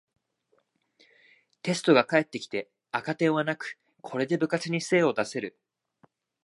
テストが返ってきて赤点はなく、これで部活に精を出せる